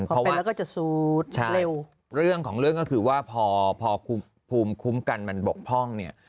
พอเป็นแล้วก็จะสูดเรื่องของเรื่องก็คือว่าพอภูมิคุ้มกันมันบกพ่องเนี่ย